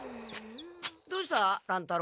どうした？